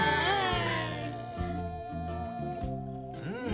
うん。